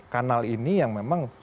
kanal ini yang memang